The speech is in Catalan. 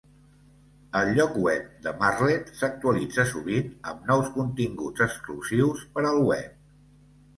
El lloc web de Martlet s'actualitza sovint amb nous continguts exclusius per al web.